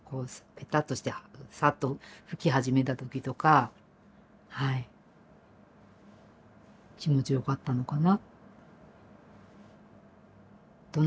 ペタッとしてサッと拭き始めた時とか気持ちよかったのかな。